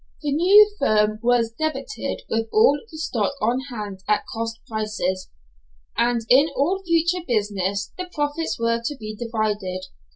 The new firm was debited with all the stock on hand at cost prices, and in all future business the profits were to be divided.